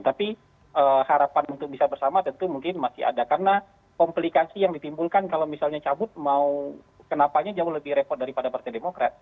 tapi harapan untuk bisa bersama tentu mungkin masih ada karena komplikasi yang ditimbulkan kalau misalnya cabut mau kenapanya jauh lebih repot daripada partai demokrat